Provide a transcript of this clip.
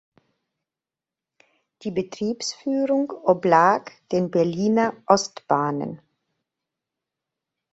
Die Betriebsführung oblag den Berliner Ostbahnen.